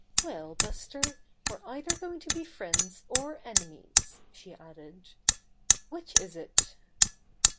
'Well, Buster, we're either going to be friends or enemies," she added. "Which is it?"